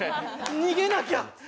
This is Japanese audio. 逃げなきゃ。